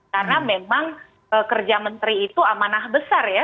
karena memang kerja menteri itu amanah besar ya